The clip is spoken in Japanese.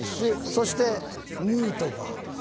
そしてヌートバーです。